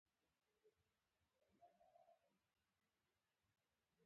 د طیارې ټرافیک د نړیوالو قوانینو تابع دی.